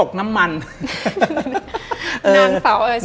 ดิงกระพวน